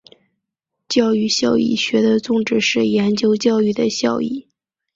教育效益学的宗旨是研究教育的效益。